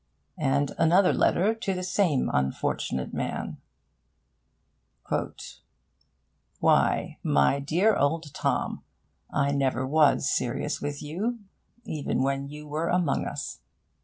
And another letter to the same unfortunate man: 'Why, my dear old Tom, I never was serious with you, even when you were among us.